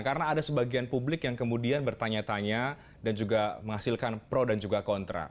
karena ada sebagian publik yang kemudian bertanya tanya dan juga menghasilkan pro dan juga kontra